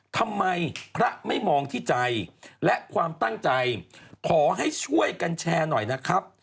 ทำไมพระไม่มองที่ใจและความตั้งใจขอให้ช่วยกันแชร์หน่อยนะครับ